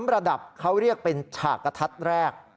ระดับเขาเรียกเป็นฉากกระทัดแรก